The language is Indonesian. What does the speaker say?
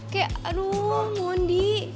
kayak aduh mondi